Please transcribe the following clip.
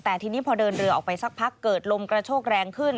แต่ทีนี้พอเดินเรือออกไปสักพักเกิดลมกระโชกแรงขึ้น